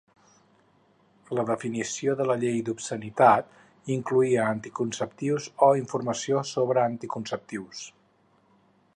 La definició de la llei d'obscenitat incloïa anticonceptius o informació sobre anticonceptius.